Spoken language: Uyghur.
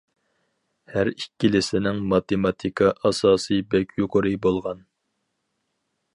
ھەر ئىككىلىسىنىڭ ماتېماتىكا ئاساسى بەك يۇقىرى بولغان.